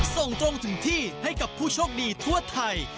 ส่งตรงถึงที่ให้กับผู้โชคดีทั่วไทย